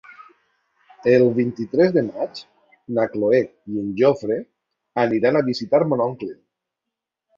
El vint-i-tres de maig na Cloè i en Jofre aniran a visitar mon oncle.